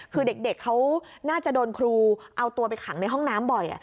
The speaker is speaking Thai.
คือเด็กเขาน่าจะโดนครูเอาตัวไปขังในห้องน้ำบ่อย